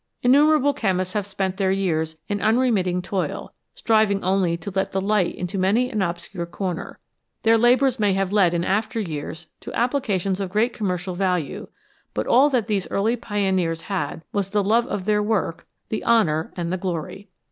Innumerable chemists have spent their years in unremitting toil, striving only to let the light into many an obscure corner ; their labours may have led in after years to applications of great commercial value, but all that these early pioneers had was the love of their work, the honour and the glory